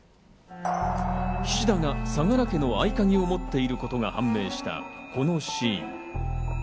菱田が相良家の合鍵を持っていることが判明したこのシーン。